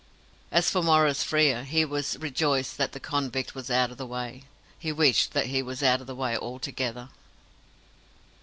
As for Maurice Frere, he was rejoiced that the convict was out of the way. He wished that he was out of the way altogether.